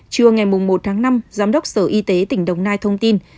trưa ngày một tháng năm giám đốc sở y tế tỉnh đồng nai thông tin